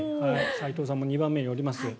斎藤さんも２番目にいます。